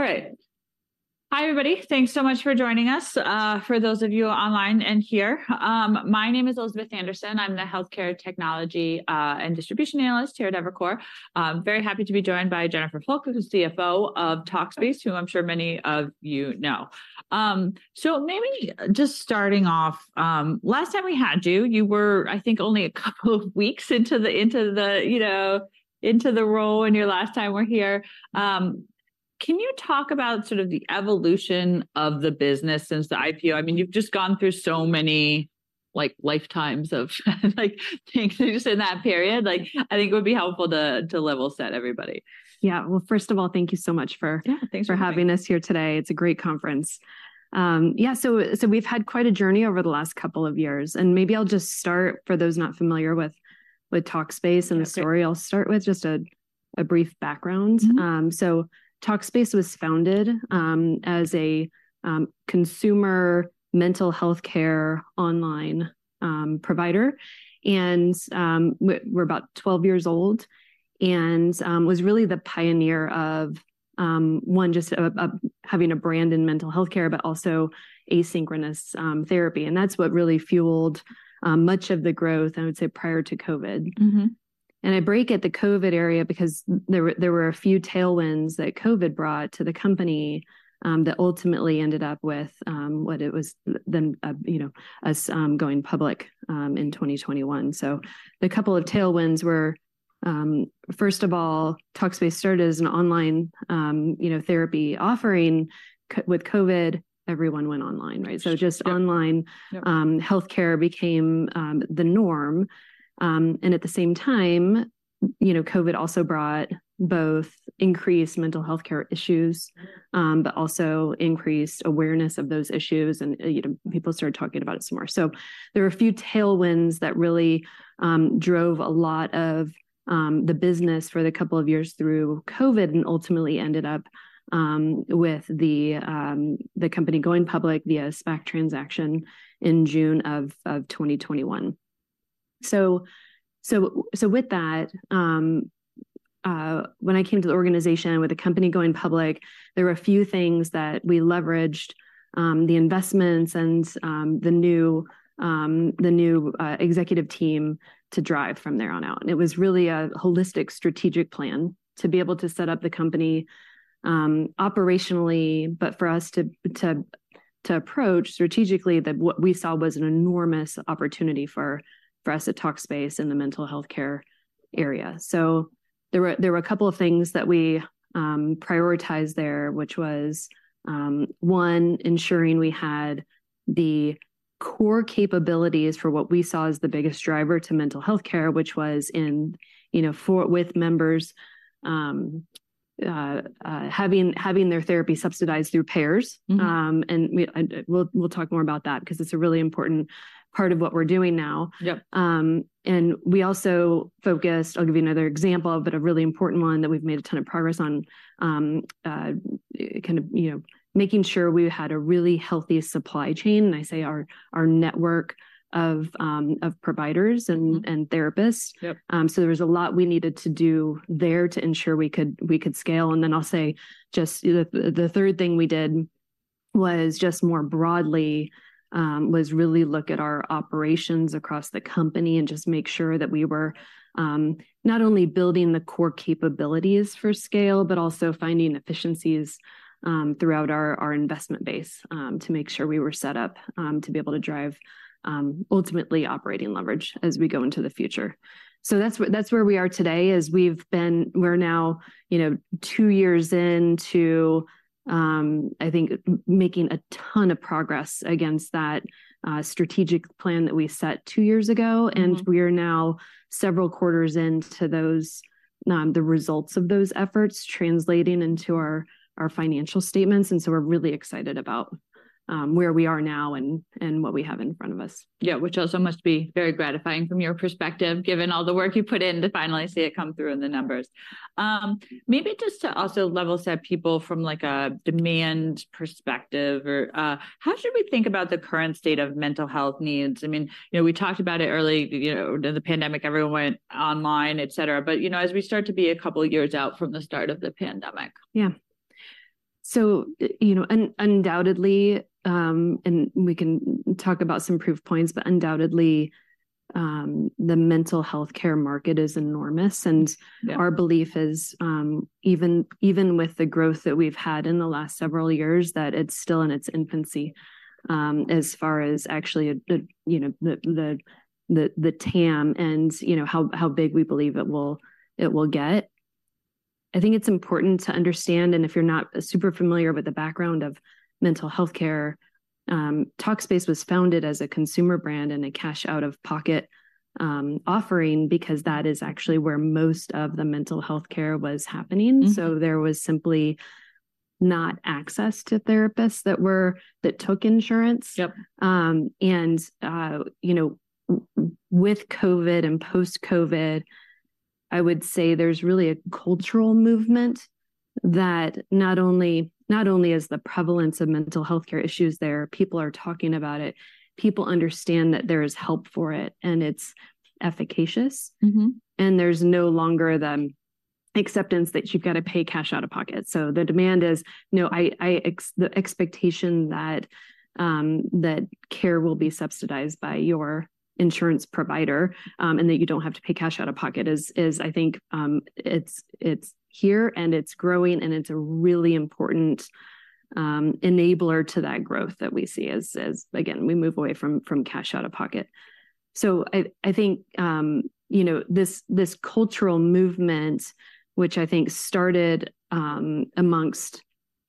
All right. Hi, everybody. Thanks so much for joining us for those of you online and here. My name is Elizabeth Anderson. I'm the Healthcare Technology and Distribution Analyst here at Evercore. I'm very happy to be joined by Jennifer Fulk, who's CFO of Talkspace, who I'm sure many of you know. So maybe just starting off, last time we had you, you were, I think, only a couple of weeks into the, into the, you know, into the role in your last time we're here. Can you talk about sort of the evolution of the business since the IPO? I mean, you've just gone through so many, like, lifetimes of, like, things just in that period. Like, I think it would be helpful to, to level set everybody. Yeah. Well, first of all, thank you so much for- Yeah, thanks for having me. for having us here today. It's a great conference. Yeah, so, so we've had quite a journey over the last couple of years, and maybe I'll just start, for those not familiar with, with Talkspace and the story- Sure. I'll start with just a brief background. Mm-hmm. So Talkspace was founded as a consumer mental health care online provider, and we're about 12 years old, and was really the pioneer of one, just having a brand in mental health care, but also asynchronous therapy, and that's what really fueled much of the growth, I would say, prior to COVID. Mm-hmm. And I break at the COVID area because there were a few tailwinds that COVID brought to the company that ultimately ended up with what it was, you know, us going public in 2021. So the couple of tailwinds were, first of all, Talkspace started as an online, you know, therapy offering. With COVID, everyone went online, right? Sure. Yep. So just online healthcare became the norm. And at the same time, you know, COVID also brought both increased mental health care issues- Mm... but also increased awareness of those issues, and, you know, people started talking about it some more. So there were a few tailwinds that really drove a lot of the business for the couple of years through COVID and ultimately ended up with the company going public via a SPAC transaction in June of 2021. So, with that, when I came to the organization, with the company going public, there were a few things that we leveraged, the investments and the new executive team to drive from there on out, and it was really a holistic, strategic plan to be able to set up the company operationally, but for us to approach strategically what we saw as an enormous opportunity for us at Talkspace in the mental health care area. So there were a couple of things that we prioritized there, which was one, ensuring we had the core capabilities for what we saw as the biggest driver to mental health care, which was in, you know, for with members having their therapy subsidized through payers. Mm-hmm. And we'll talk more about that 'cause it's a really important part of what we're doing now. Yep. And we also focused... I'll give you another example, but a really important one that we've made a ton of progress on, kind of, you know, making sure we had a really healthy supply chain, and I say our network of providers and- Mm-hmm... and therapists. Yep. So there was a lot we needed to do there to ensure we could, we could scale. And then I'll say, just the third thing we did was just more broadly, was really look at our operations across the company and just make sure that we were, not only building the core capabilities for scale, but also finding efficiencies, throughout our investment base, to make sure we were set up, to be able to drive, ultimately operating leverage as we go into the future. So that's where we are today, is we're now, you know, two years into, I think, making a ton of progress against that strategic plan that we set two years ago. Mm-hmm... and we are now several quarters into those, the results of those efforts translating into our financial statements, and so we're really excited about where we are now and what we have in front of us. Yeah, which also must be very gratifying from your perspective, given all the work you've put in to finally see it come through in the numbers. Maybe just to also level set people from, like, a demand perspective, or, how should we think about the current state of mental health needs? I mean, you know, we talked about it early, you know, the pandemic, everyone went online, et cetera. But, you know, as we start to be a couple of years out from the start of the pandemic. Yeah. So, you know, undoubtedly, and we can talk about some proof points, but undoubtedly, the mental health care market is enormous, and- Yeah... our belief is, even with the growth that we've had in the last several years, that it's still in its infancy, as far as actually, you know, the TAM and, you know, how big we believe it will get. I think it's important to understand, and if you're not super familiar with the background of mental health care, Talkspace was founded as a consumer brand and a cash out-of-pocket offering because that is actually where most of the mental health care was happening. Mm-hmm. There was simply no access to therapists that took insurance. Yep. And, you know, with COVID and post-COVID, I would say there's really a cultural movement that not only, not only is the prevalence of mental health care issues there, people are talking about it, people understand that there is help for it, and it's efficacious. Mm-hmm. And there's no longer the acceptance that you've gotta pay cash out of pocket. So the demand is, you know, the expectation that that care will be subsidized by your insurance provider, and that you don't have to pay cash out of pocket is, I think, it's here, and it's growing, and it's a really important enabler to that growth that we see as, again, we move away from cash out of pocket. So I think, you know, this cultural movement, which I think started amongst,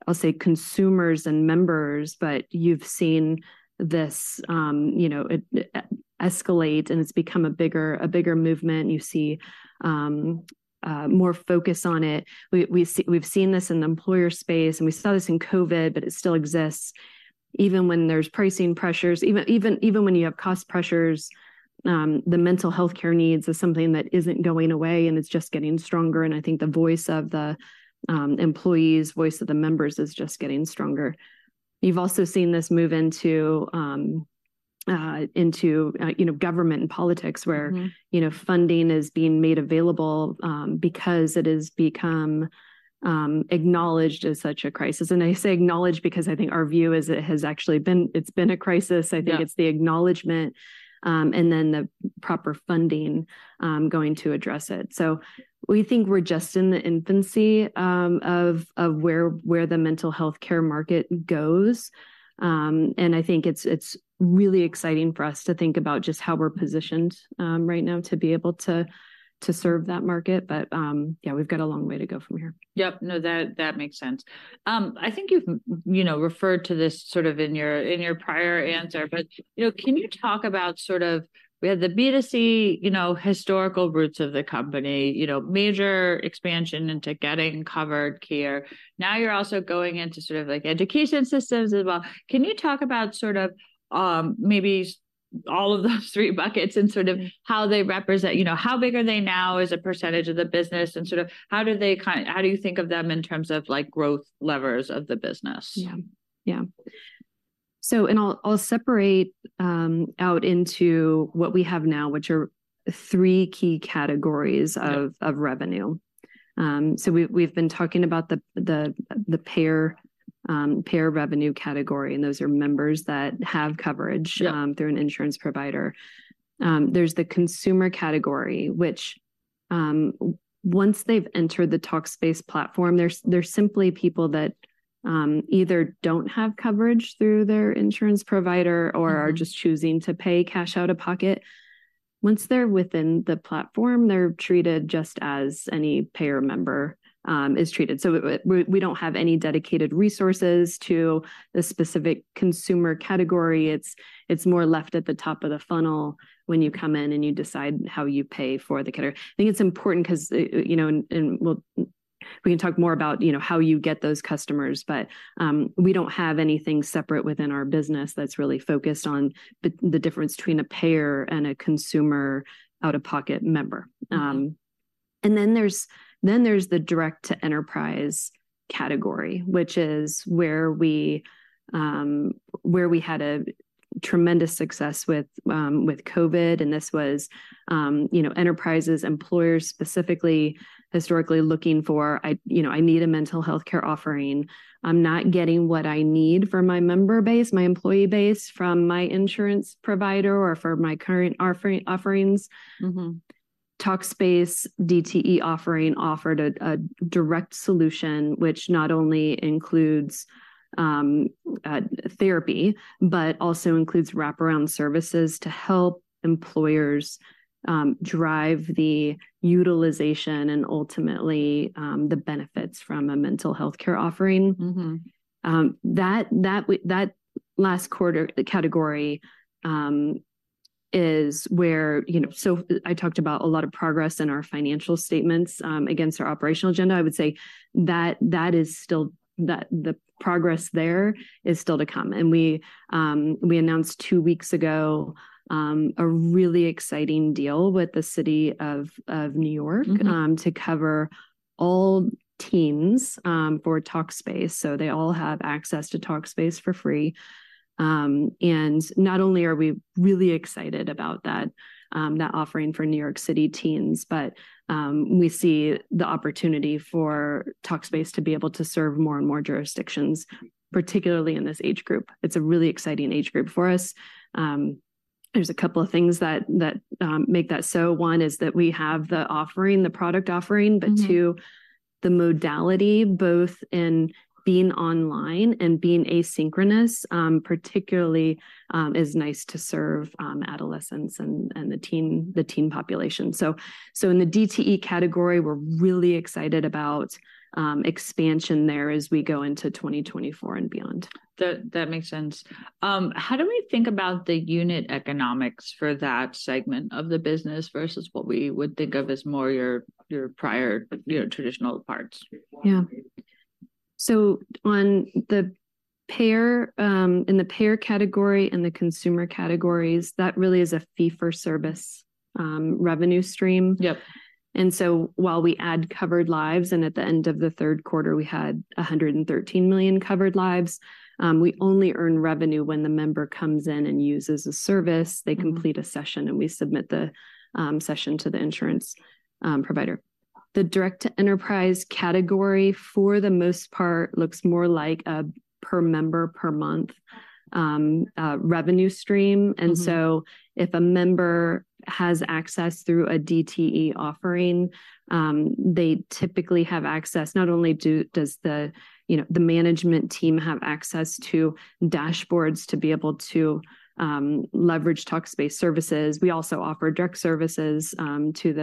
I'll say, consumers and members, but you've seen this, you know, it escalate, and it's become a bigger movement. You see more focus on it. We've seen this in the employer space, and we saw this in COVID, but it still exists. Even when there's pricing pressures, even when you have cost pressures, the mental healthcare needs is something that isn't going away, and it's just getting stronger, and I think the voice of the employees, voice of the members is just getting stronger. You've also seen this move into you know government and politics- Mm-hmm... where, you know, funding is being made available, because it has become acknowledged as such a crisis. And I say acknowledged because I think our view is it has actually been... It's been a crisis. Yeah. I think it's the acknowledgement, and then the proper funding going to address it. So we think we're just in the infancy of where the mental healthcare market goes. And I think it's really exciting for us to think about just how we're positioned right now to be able to serve that market. But yeah, we've got a long way to go from here. Yep. No, that, that makes sense. I think you've you know, referred to this sort of in your, in your prior answer, but, you know, can you talk about sort of... We have the B2C, you know, historical roots of the company, you know, major expansion into getting covered care. Now you're also going into sort of, like, education systems as well. Can you talk about sort of, maybe all of those three buckets and sort of how they represent... You know, how big are they now as a percentage of the business, and sort of how do you think of them in terms of, like, growth levers of the business? Yeah. Yeah. So, I'll separate out into what we have now, which are three key categories- Yep... of revenue. So we, we've been talking about the payer revenue category, and those are members that have coverage- Yep... through an insurance provider. There's the consumer category, which, once they've entered the Talkspace platform, they're simply people that either don't have coverage through their insurance provider or- Mm-hmm... are just choosing to pay cash out of pocket. Once they're within the platform, they're treated just as any payer member is treated. So we don't have any dedicated resources to the specific consumer category. It's more left at the top of the funnel when you come in, and you decide how you pay for the care. I think it's important 'cause, you know, and we'll talk more about, you know, how you get those customers, but we don't have anything separate within our business that's really focused on the difference between a payer and a consumer out-of-pocket member. Mm-hmm. And then there's the Direct-to-Enterprise category, which is where we had a tremendous success with COVID, and this was, you know, enterprises, employers specifically historically looking for, you know, "I need a mental healthcare offering. I'm not getting what I need for my member base, my employee base, from my insurance provider or for my current offerings. Mm-hmm. Talkspace DTE offering offered a direct solution, which not only includes therapy, but also includes wraparound services to help employers drive the utilization and ultimately the benefits from a mental healthcare offering. Mm-hmm. That last quarter category is where... You know, so I talked about a lot of progress in our financial statements against our operational agenda. I would say that that is still the progress there is still to come, and we announced two weeks ago a really exciting deal with the City of New York- Mm-hmm... to cover all teens, for Talkspace, so they all have access to Talkspace for free. And not only are we really excited about that, that offering for New York City teens, but, we see the opportunity for Talkspace to be able to serve more and more jurisdictions, particularly in this age group. It's a really exciting age group for us. There's a couple of things that make that so. One is that we have the offering, the product offering- Mm-hmm... but two, the modality, both in being online and being asynchronous, particularly, is nice to serve adolescents and the teen population. So in the DTE category, we're really excited about expansion there as we go into 2024 and beyond. That makes sense. How do we think about the unit economics for that segment of the business versus what we would think of as more your prior, you know, traditional parts? Yeah. So on the payer, in the payer category and the consumer categories, that really is a fee-for-service revenue stream. Yep. And so while we add covered lives, and at the end of the third quarter, we had 113 million covered lives, we only earn revenue when the member comes in and uses the service. Mm-hmm. They complete a session, and we submit the session to the insurance provider. The Direct-to-Enterprise category, for the most part, looks more like a Per Member Per Month revenue stream. Mm-hmm. And so if a member has access through a DTE offering, they typically have access, not only does the, you know, the management team have access to dashboards to be able to leverage Talkspace services, we also offer direct services to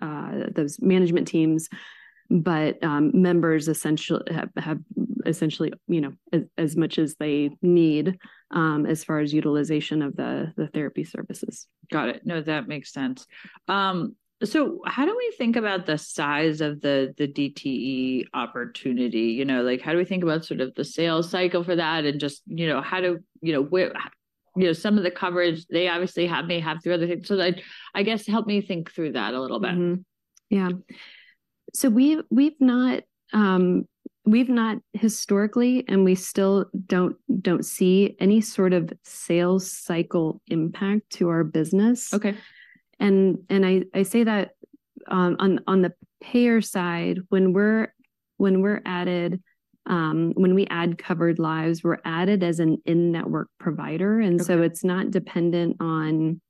those management teams. But, members essentially have essentially, you know, as much as they need, as far as utilization of the therapy services. Got it. No, that makes sense. So how do we think about the size of the DTE opportunity? You know, like, how do we think about sort of the sales cycle for that and just, you know, where you know, some of the coverage they obviously have, may have through other things. So I guess help me think through that a little bit. Mm-hmm. Yeah. So we've not historically, and we still don't see any sort of sales cycle impact to our business. Okay. And I say that, on the payer side, when we add covered lives, we're added as an in-network provider- Okay... and so it's not dependent on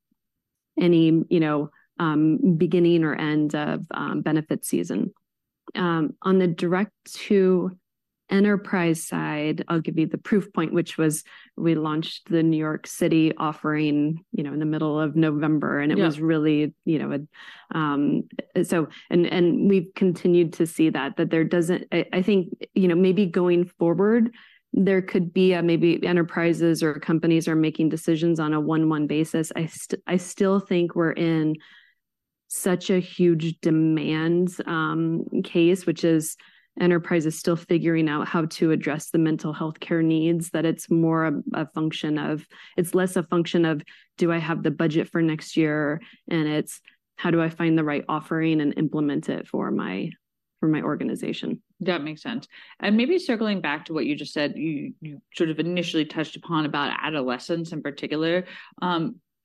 any, you know, beginning or end of, benefit season. On the Direct-to-Enterprise side, I'll give you the proof point, which was we launched the New York City offering, you know, in the middle of November- Yeah... and it was really, you know, so... And, and we've continued to see that, that there doesn't—I, I think, you know, maybe going forward, there could be, maybe enterprises or companies are making decisions on a one-one basis. I still think we're in such a huge demand case, which is enterprises still figuring out how to address the mental healthcare needs, that it's more a, a function of... It's less a function of, do I have the budget for next year? And it's, how do I find the right offering and implement it for my, for my organization? That makes sense. And maybe circling back to what you just said, you, you sort of initially touched upon about adolescents in particular.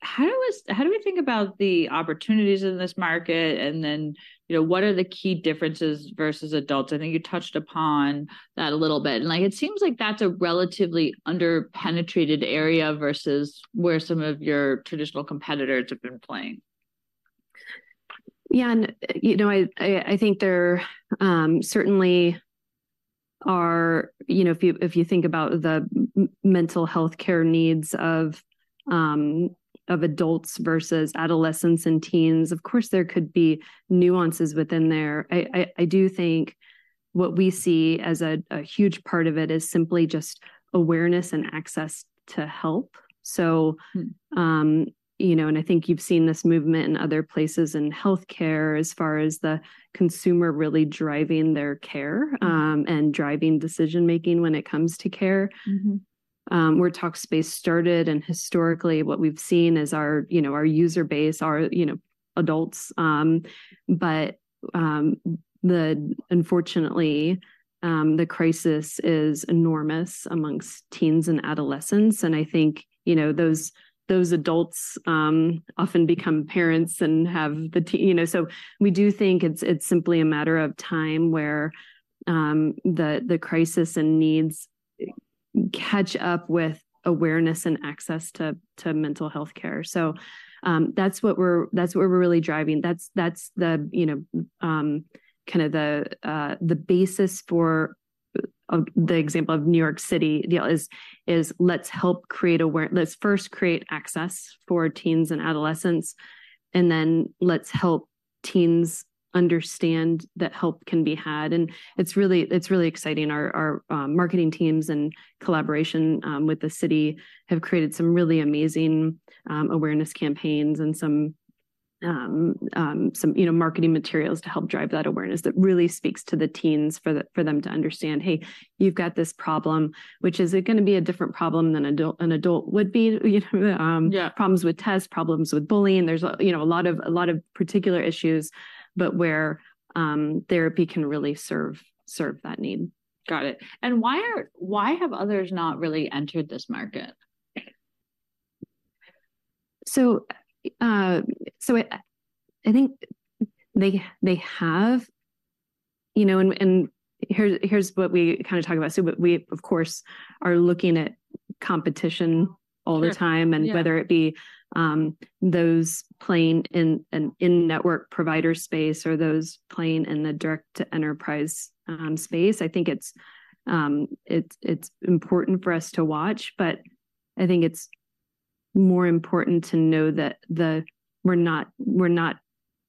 How do we think about the opportunities in this market? And then, you know, what are the key differences versus adults? I think you touched upon that a little bit. And, like, it seems like that's a relatively under-penetrated area versus where some of your traditional competitors have been playing. Yeah, and you know, I think there certainly are... You know, if you think about the mental healthcare needs of adults versus adolescents and teens, of course, there could be nuances within there. I do think what we see as a huge part of it is simply just awareness and access to help. So- Mm. You know, I think you've seen this movement in other places in healthcare as far as the consumer really driving their care, and driving decision-making when it comes to care. Mm-hmm. Where Talkspace started and historically what we've seen is our, you know, our user base are, you know, adults. Unfortunately, the crisis is enormous among teens and adolescents, and I think, you know, those adults often become parents and have teens, you know? So we do think it's simply a matter of time where the crisis and needs catch up with awareness and access to mental health care. So, that's what we're really driving. That's the, you know, kind of the basis for the example of New York City, you know, is let's first create access for teens and adolescents, and then let's help teens understand that help can be had. And it's really, it's really exciting. Our marketing teams in collaboration with the city have created some really amazing awareness campaigns and some, you know, marketing materials to help drive that awareness that really speaks to the teens for them to understand, "Hey, you've got this problem," which is it gonna be a different problem than an adult would be, you know. Yeah... problems with tests, problems with bullying. There's a, you know, a lot of, a lot of particular issues, but where therapy can really serve that need. Got it. Why have others not really entered this market? So, I think they have, you know, and here's what we kind of talk about. So we, of course, are looking at competition all the time- Yeah... and whether it be those playing in an in-network provider space or those playing in the direct-to-enterprise space, I think it's important for us to watch, but I think it's more important to know that the... We're not,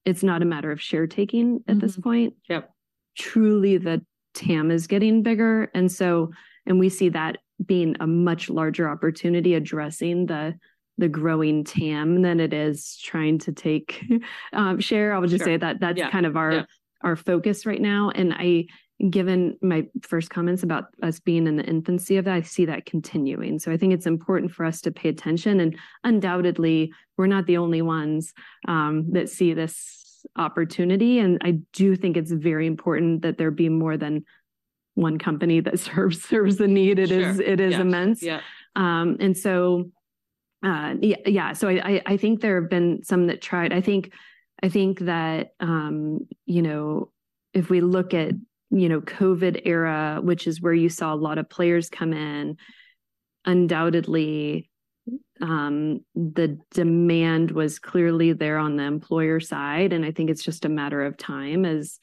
it's not a matter of share taking at this point. Mm-hmm. Yep. Truly, the TAM is getting bigger, and we see that being a much larger opportunity, addressing the growing TAM than it is trying to take share. Sure. I would just say that- Yeah... that's kind of our- Yeah... our focus right now. And I, given my first comments about us being in the infancy of that, I see that continuing. So I think it's important for us to pay attention, and undoubtedly, we're not the only ones that see this opportunity, and I do think it's very important that there be more than one company that serves the need. Sure. It is, it is immense. Yeah. Yeah, yeah. So I, I, I think there have been some that tried. I think, I think that, you know, if we look at, you know, COVID era, which is where you saw a lot of players come in, undoubtedly, the demand was clearly there on the employer side, and I think it's just a matter of time as,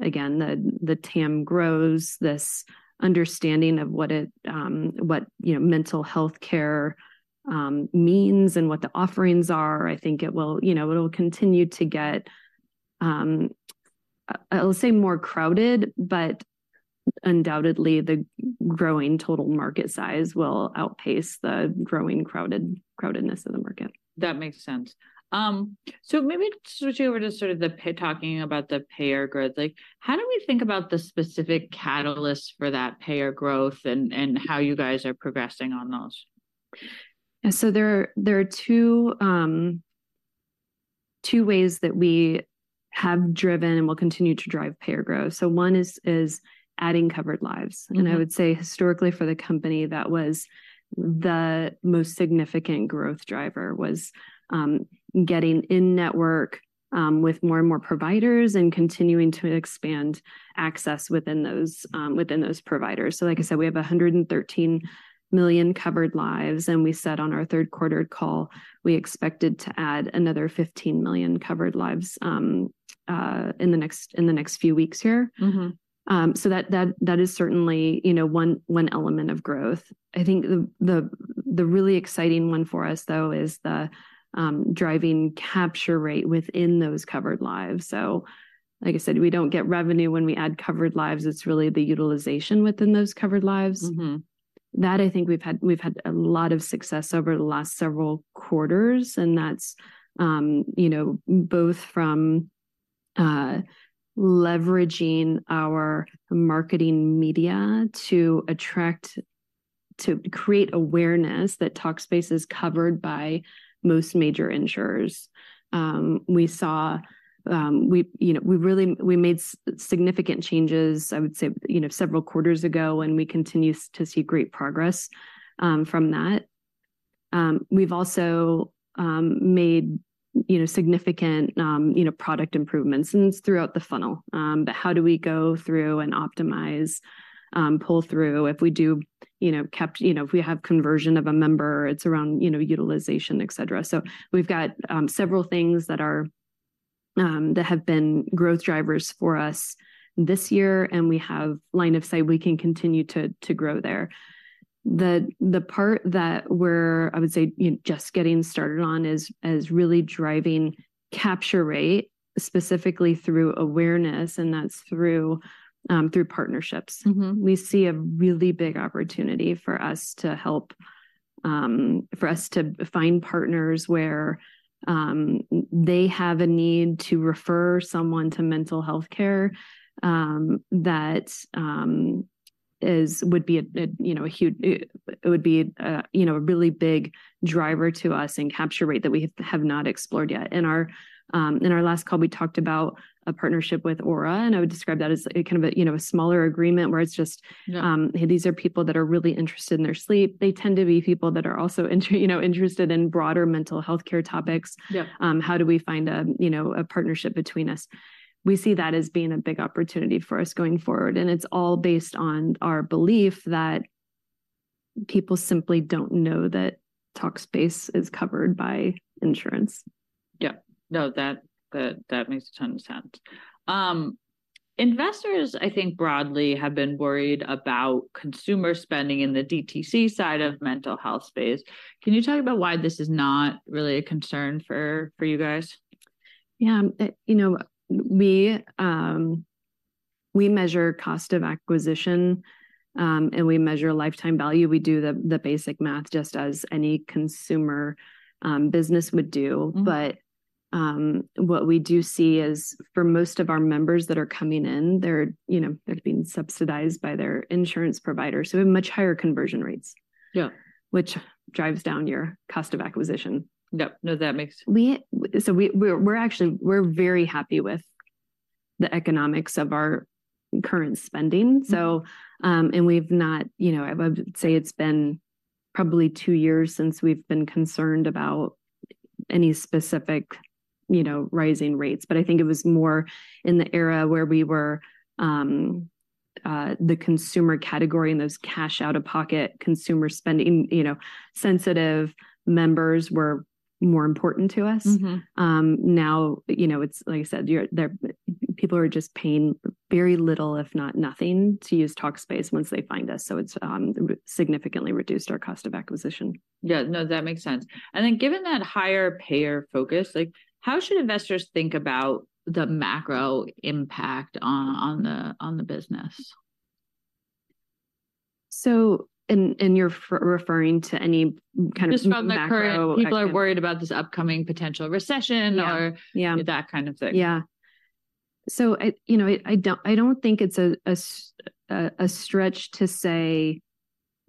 again, the, the TAM grows, this understanding of what it, what, you know, mental health care means and what the offerings are. I think it will, you know, it'll continue to get, I'll say more crowded, but undoubtedly the growing total market size will outpace the growing crowded, crowdedness of the market. That makes sense. So maybe switch over to sort of the payer growth, talking about the payer growth. Like, how do we think about the specific catalyst for that payer growth and how you guys are progressing on those? So there are two ways that we have driven and will continue to drive payer growth. So one is adding Covered Lives. Mm-hmm. I would say historically for the company, that was the most significant growth driver, getting in-network with more and more providers and continuing to expand access within those providers. So like I said, we have 113 million covered lives, and we said on our third quarter call, we expected to add another 15 million covered lives in the next few weeks here. Mm-hmm. So that is certainly, you know, one element of growth. I think the really exciting one for us, though, is the driving capture rate within those covered lives. So like I said, we don't get revenue when we add covered lives. It's really the utilization within those covered lives. Mm-hmm. That, I think we've had, we've had a lot of success over the last several quarters, and that's, you know, both from leveraging our marketing media to attract... to create awareness that Talkspace is covered by most major insurers. We saw, we, you know, we really made significant changes, I would say, you know, several quarters ago, and we continue to see great progress from that. We've also made, you know, significant, you know, product improvements, and it's throughout the funnel. But how do we go through and optimize pull through if we do, you know... You know, if we have conversion of a member, it's around, you know, utilization, et cetera. We've got several things that have been growth drivers for us this year, and we have line of sight we can continue to grow there. The part that we're, I would say, you know, just getting started on is really driving capture rate, specifically through awareness, and that's through partnerships. Mm-hmm. We see a really big opportunity for us to help, for us to find partners where they have a need to refer someone to mental health care. That would be a you know a huge, it would be you know a really big driver to us and capture rate that we have not explored yet. In our last call, we talked about a partnership with Oura, and I would describe that as a kind of a you know a smaller agreement where it's just- Yeah... these are people that are really interested in their sleep. They tend to be people that are also, you know, interested in broader mental health care topics. Yeah. How do we find a, you know, a partnership between us? We see that as being a big opportunity for us going forward, and it's all based on our belief that people simply don't know that Talkspace is covered by insurance. Yeah. No, that makes a ton of sense. Investors, I think, broadly have been worried about consumer spending in the DTC side of mental health space. Can you talk about why this is not really a concern for you guys? Yeah, you know, we measure cost of acquisition, and we measure lifetime value. We do the basic math, just as any consumer business would do. Mm-hmm. What we do see is, for most of our members that are coming in, they're, you know, they're being subsidized by their insurance provider, so we have much higher conversion rates- Yeah... which drives down your cost of acquisition. Yep. No, that makes- So we're actually very happy with the economics of our current spending. Mm. So, and we've not, you know, I would say it's been probably two years since we've been concerned about any specific, you know, rising rates. But I think it was more in the era where we were the consumer category and those cash out-of-pocket consumer spending, you know, sensitive members were more important to us. Mm-hmm. Now, you know, it's like I said, you're there, people are just paying very little, if not nothing, to use Talkspace once they find us, so it's significantly reduced our cost of acquisition. Yeah. No, that makes sense. And then, given that higher payer focus, like, how should investors think about the macro impact on, on the, on the business? you're referring to any kind of macro- Just from the current, people are worried about this upcoming potential recession or… Yeah, yeah... that kind of thing. Yeah. So, you know, I don't think it's a stretch to say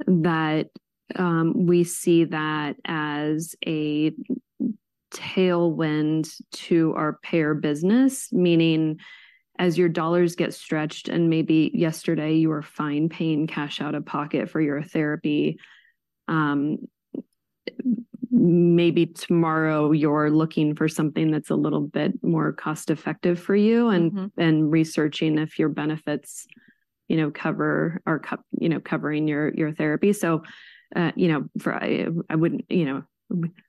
that we see that as a tailwind to our payer business, meaning as your dollars get stretched, and maybe yesterday you were fine paying cash out of pocket for your therapy, maybe tomorrow you're looking for something that's a little bit more cost-effective for you- Mm-hmm. researching if your benefits, you know, cover or you know, covering your therapy. So, you know, I wouldn't, you know,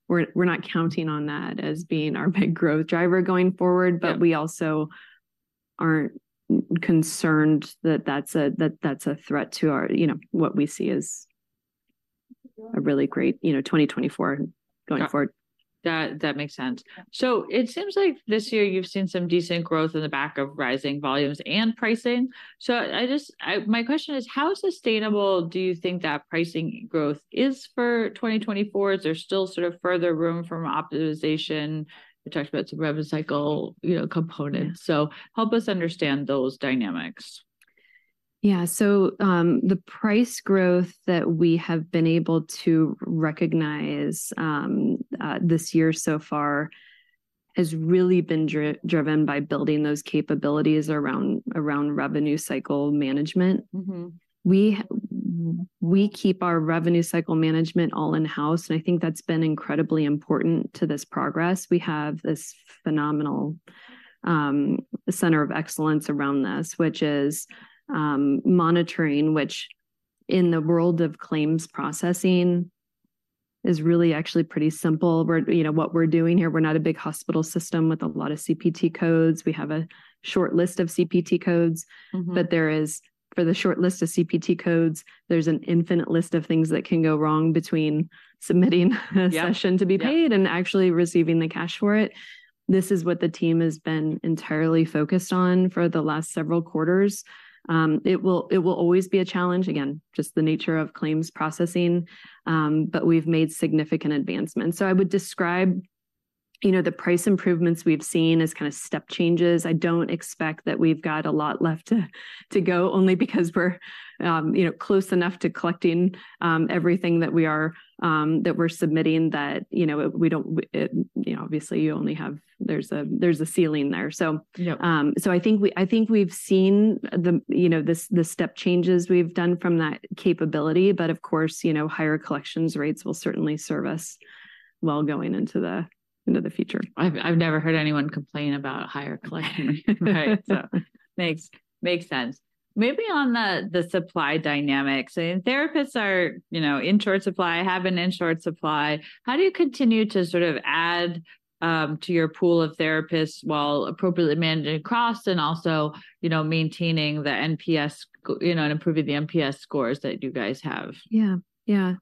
we're not counting on that as being our big growth driver going forward- Yeah. But we also aren't concerned that that's a threat to our, you know, what we see as a really great, you know, 2024 going forward. That makes sense. So it seems like this year you've seen some decent growth on the back of rising volumes and pricing. So I just my question is: How sustainable do you think that pricing growth is for 2024? Is there still sort of further room from optimization? You talked about some revenue cycle, you know, components. So help us understand those dynamics. Yeah. So, the price growth that we have been able to recognize this year so far has really been driven by building those capabilities around Revenue Cycle Management. Mm-hmm. We keep our revenue cycle management all in-house, and I think that's been incredibly important to this progress. We have this phenomenal center of excellence around this, which is monitoring, which in the world of claims processing is really actually pretty simple. You know, what we're doing here, we're not a big hospital system with a lot of CPT codes. We have a short list of CPT codes. Mm-hmm. But there is… For the short list of CPT codes, there's an infinite list of things that can go wrong between submitting a session- Yeah, yep... to be paid and actually receiving the cash for it. This is what the team has been entirely focused on for the last several quarters. It will always be a challenge, again, just the nature of claims processing, but we've made significant advancements. So I would describe, you know, the price improvements we've seen as kind of step changes. I don't expect that we've got a lot left to go, only because we're, you know, close enough to collecting everything that we're submitting that, you know, we don't... You know, obviously, you only have. There's a ceiling there. So- Yep. So, I think we've seen the, you know, the step changes we've done from that capability, but of course, you know, higher collections rates will certainly serve us well going into the future. I've never heard anyone complain about higher collection. Right, so makes sense. Maybe on the supply dynamics, and therapists are, you know, in short supply, have been in short supply, how do you continue to sort of add to your pool of therapists while appropriately managing costs and also, you know, maintaining the NPS, you know, and improving the NPS scores that you guys have? Yeah. Yeah.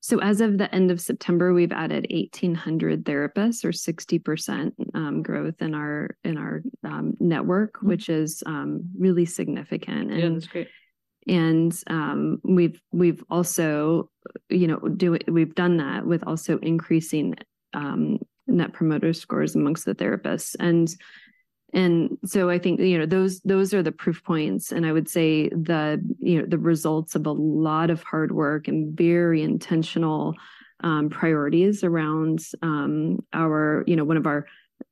So as of the end of September, we've added 1,800 therapists or 60% growth in our network- Mm... which is, really significant, and- Yeah, that's great. And, we've also, you know, we've done that with also increasing net promoter scores amongst the therapists. And so I think, you know, those are the proof points, and I would say the, you know, the results of a lot of hard work and very intentional priorities around our. You know, one of our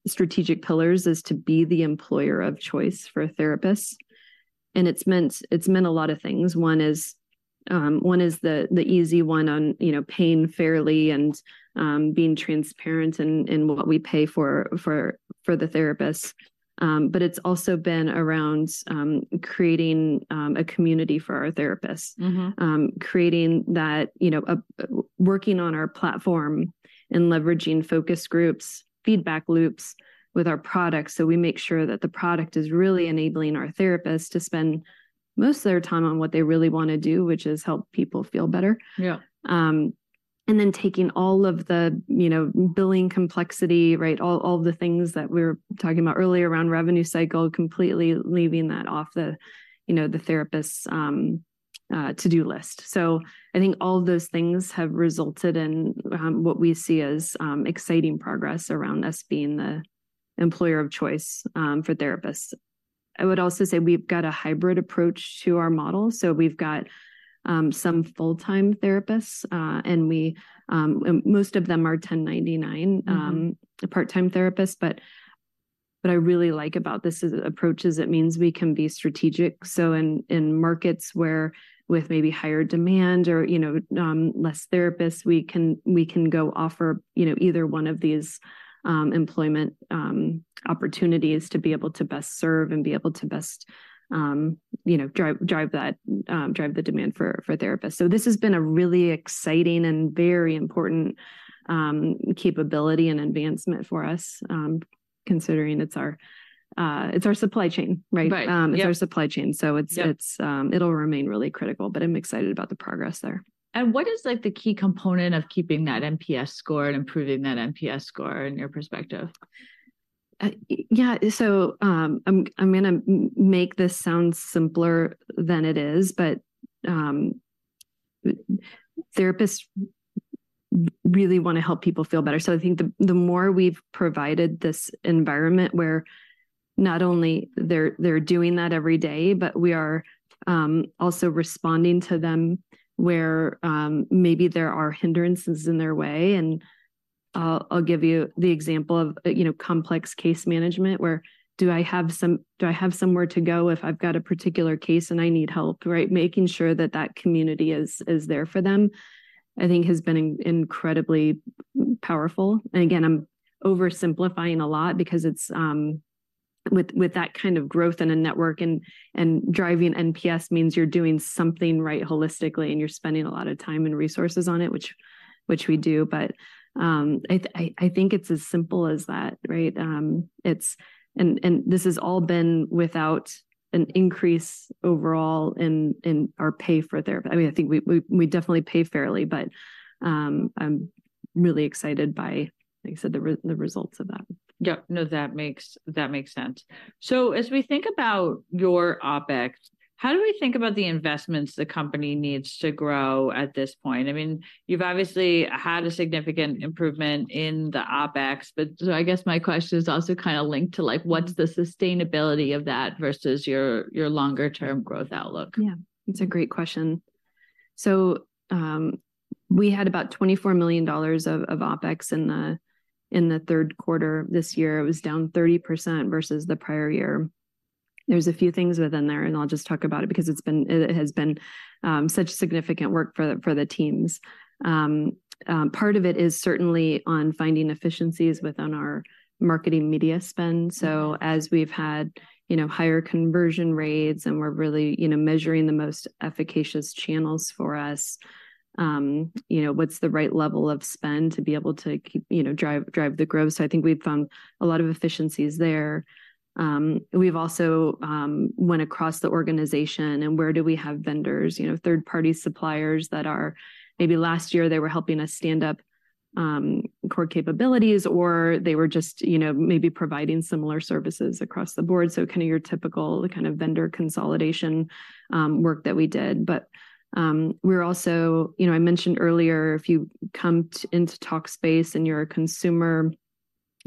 strategic pillars is to be the employer of choice for therapists, and it's meant a lot of things. One is the easy one on, you know, paying fairly and being transparent in what we pay for the therapists. But it's also been around creating a community for our therapists. Mm-hmm. Creating that, you know, working on our platform and leveraging focus groups, feedback loops with our products, so we make sure that the product is really enabling our therapists to spend most of their time on what they really wanna do, which is help people feel better. Yeah. And then taking all of the, you know, billing complexity, right? All the things that we were talking about earlier around revenue cycle, completely leaving that off the, you know, the therapist's to-do list. So I think all of those things have resulted in what we see as exciting progress around us being the employer of choice for therapists. I would also say we've got a hybrid approach to our model, so we've got some full-time therapists, and we... And most of them are 1099- Mm-hmm... a part-time therapist. But I really like about this approach is it means we can be strategic. So in markets where with maybe higher demand or, you know, less therapists, we can go offer, you know, either one of these, employment opportunities to be able to best serve and be able to best, you know, drive the demand for therapists. So this has been a really exciting and very important capability and advancement for us, considering it's our supply chain, right? Right. Yep. It's our supply chain. Yep. So it's, it'll remain really critical, but I'm excited about the progress there. What is, like, the key component of keeping that NPS score and improving that NPS score in your perspective? Yeah, so, I'm gonna make this sound simpler than it is, but therapists really wanna help people feel better. So I think the more we've provided this environment where not only they're doing that every day, but we are also responding to them where maybe there are hindrances in their way. And I'll give you the example of, you know, complex case management, where do I have somewhere to go if I've got a particular case and I need help, right? Making sure that that community is there for them, I think has been incredibly powerful. And again, I'm oversimplifying a lot because it's... with that kind of growth in a network and driving NPS means you're doing something right holistically, and you're spending a lot of time and resources on it, which we do. But I think it's as simple as that, right? And this has all been without an increase overall in our pay for therapy. I mean, I think we definitely pay fairly, but I'm really excited by, like I said, the results of that. Yep. No, that makes, that makes sense. So as we think about your OpEx, how do we think about the investments the company needs to grow at this point? I mean, you've obviously had a significant improvement in the OpEx, but so I guess my question is also kind of linked to, like, what's the sustainability of that versus your, your longer term growth outlook? Yeah, it's a great question. So, we had about $24 million of OpEx in the third quarter this year. It was down 30% versus the prior year. There's a few things within there, and I'll just talk about it because it has been such significant work for the teams. Part of it is certainly on finding efficiencies within our marketing media spend. So as we've had, you know, higher conversion rates, and we're really, you know, measuring the most efficacious channels for us, you know, what's the right level of spend to be able to keep, you know, drive the growth? So I think we've found a lot of efficiencies there. We've also went across the organization, and where do we have vendors? You know, third-party suppliers that are maybe last year they were helping us stand up, core capabilities, or they were just, you know, maybe providing similar services across the board. So kind of your typical kind of vendor consolidation, work that we did. But, we're also... You know, I mentioned earlier, if you come into Talkspace and you're a consumer,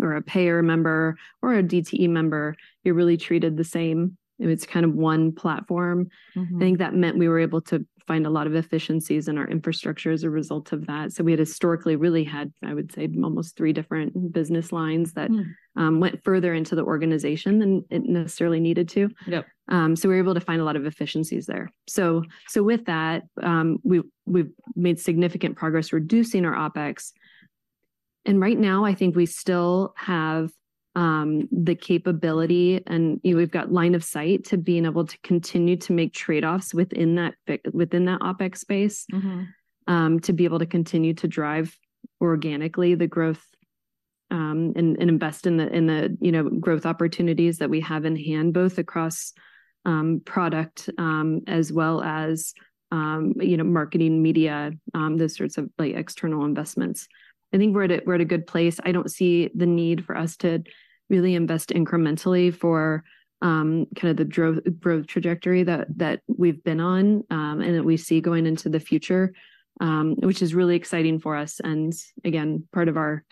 or a payer member, or a DTE member, you're really treated the same, and it's kind of one platform. Mm-hmm. I think that meant we were able to find a lot of efficiencies in our infrastructure as a result of that. So we had historically really had, I would say, almost three different business lines that- Mm... went further into the organization than it necessarily needed to. Yep. So we were able to find a lot of efficiencies there. So with that, we’ve made significant progress reducing our OpEx, and right now, I think we still have the capability, and, you know, we’ve got line of sight to being able to continue to make trade-offs within that OpEx space- Mm-hmm... to be able to continue to drive organically the growth, and invest in the, in the, you know, growth opportunities that we have in hand, both across, product, as well as, you know, marketing, media, those sorts of, like, external investments. I think we're at a good place. I don't see the need for us to really invest incrementally for, kind of the growth trajectory that we've been on, and that we see going into the future, which is really exciting for us and, again, part of our,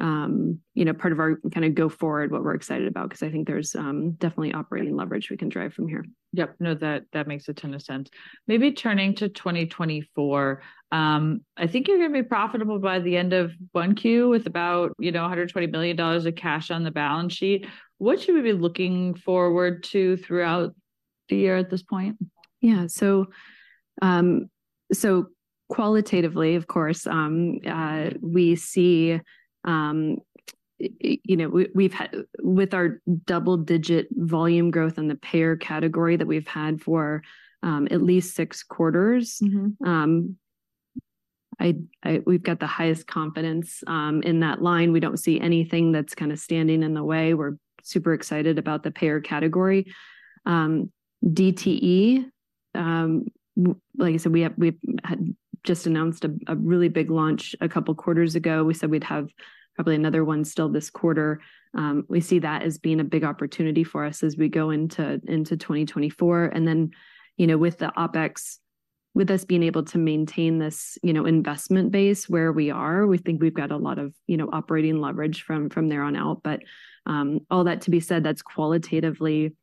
you know, part of our kind of go forward, what we're excited about, 'cause I think there's definitely operating leverage we can drive from here. Yep. No, that, that makes a ton of sense. Maybe turning to 2024, I think you're gonna be profitable by the end of Q1 with about, you know, $120 million of cash on the balance sheet. What should we be looking forward to throughout the year at this point? Yeah. So, qualitatively, of course, we see, you know, we've had with our double-digit volume growth in the payer category that we've had for at least six quarters- Mm-hmm... we've got the highest confidence in that line. We don't see anything that's kind of standing in the way. We're super excited about the payer category. DTE, like I said, we had just announced a really big launch a couple quarters ago. We said we'd have probably another one still this quarter. We see that as being a big opportunity for us as we go into 2024, and then, you know, with the OpEx, with us being able to maintain this, you know, investment base where we are, we think we've got a lot of, you know, operating leverage from there on out. But, all that to be said, that's qualitatively,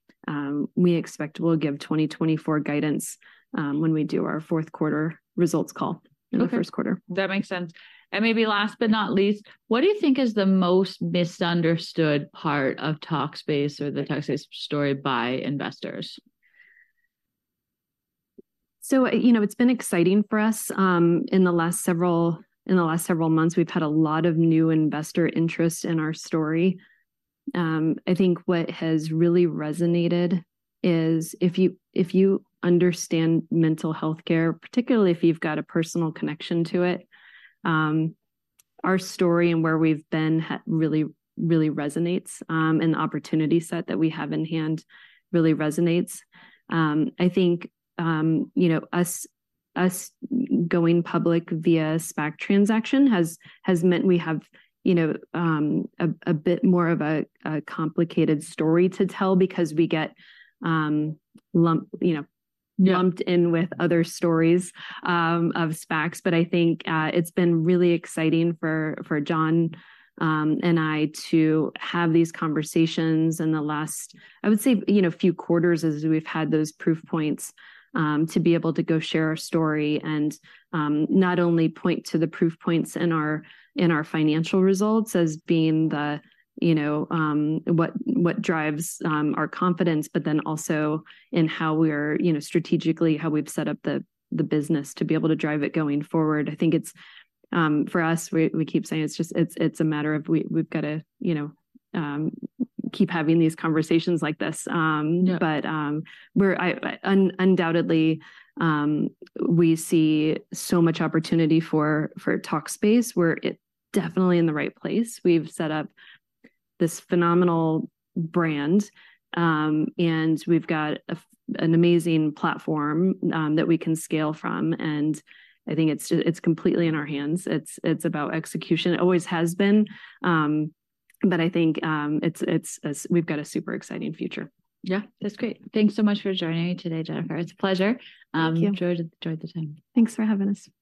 we expect we'll give 2024 guidance when we do our fourth quarter results call- Okay... in the first quarter. That makes sense. Maybe last but not least, what do you think is the most misunderstood part of Talkspace or the Talkspace story by investors? So, you know, it's been exciting for us in the last several months. We've had a lot of new investor interest in our story. I think what has really resonated is if you, if you understand mental health care, particularly if you've got a personal connection to it, our story and where we've been really, really resonates, and the opportunity set that we have in hand really resonates. I think, you know, us, us going public via SPAC transaction has, has meant we have, you know, a, a bit more of a complicated story to tell because we get lump you know- Yep... lumped in with other stories of SPACs. But I think it's been really exciting for Jon and I to have these conversations in the last, I would say, you know, few quarters as we've had those proof points to be able to go share our story and not only point to the proof points in our financial results as being the, you know, what, what drives our confidence, but then also in how we're you know, strategically, how we've set up the business to be able to drive it going forward. I think it's for us, we keep saying it's just it's a matter of we've gotta, you know, keep having these conversations like this. Yeah... but, we're undoubtedly, we see so much opportunity for Talkspace, where it's definitely in the right place. We've set up this phenomenal brand, and we've got an amazing platform that we can scale from, and I think it's completely in our hands. It's about execution. It always has been. But I think we've got a super exciting future. Yeah, that's great. Thanks so much for joining me today, Jennifer. It's a pleasure. Thank you. Enjoyed the time. Thanks for having us.